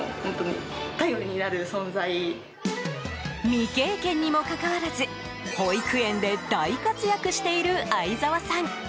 未経験にもかかわらず保育園で大活躍している相澤さん。